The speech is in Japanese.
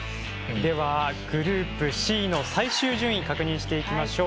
ではグループＣの最終順位確認していきましょう。